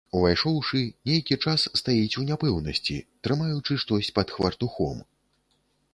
Увайшоўшы, нейкі час стаіць у няпэўнасці, трымаючы штось пад хвартухом.